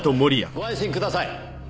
ご安心ください。